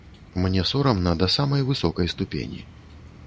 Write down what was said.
Мне сорамна да самай высокай ступені.